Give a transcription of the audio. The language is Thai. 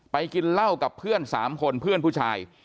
กินเหล้ากับเพื่อน๓คนเพื่อนผู้ชาย